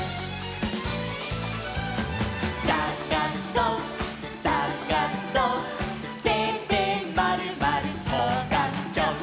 「さがそさがそ」「てでまるまるそうがんきょう」